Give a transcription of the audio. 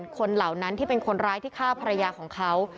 คนเหล่านั้นที่เป็นคนร้ายที่ฆ่าภรรยาของเขา